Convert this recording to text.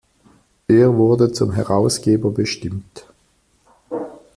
Er wurde zum Herausgeber bestimmt.